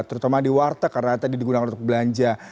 terutama di warteg karena tadi digunakan untuk belanja